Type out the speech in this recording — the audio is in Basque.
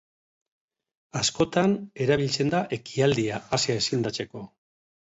Askotan, erabiltzen da ekialdea Asia izendatzeko.